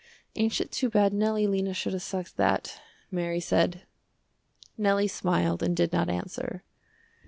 "Ain't it too bad, Nellie, Lena should have sucked that," Mary said. Nellie smiled and did not answer.